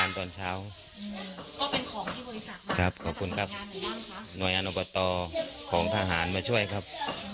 ให้เด็กแล้วทำตอนเช้าหน่วยศักดิ์อาหารมาช่วยครับ